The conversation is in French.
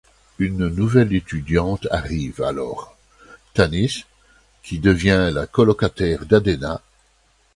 Une nouvelle étudiante arrive alors, Tanis, qui devient la colocataire d'Adena.